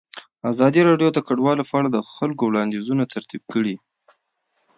ازادي راډیو د کډوال په اړه د خلکو وړاندیزونه ترتیب کړي.